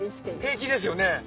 平気ですよね。